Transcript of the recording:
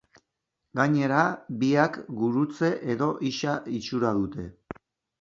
Gainera, biak gurutze edo ixa itxura dute.